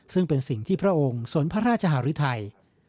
ซึ่งเป็นสิ่งที่พระองค์สนพระราชหารุทัย